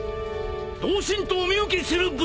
同心とお見受けするブ！